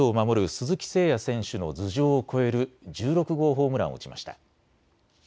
鈴木誠也選手の頭上を越える１６号ホームランを打ちました。